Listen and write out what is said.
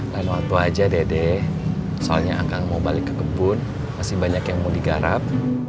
lain waktu aja dede soalnya akan mau balik ke kebun masih banyak yang mau digarap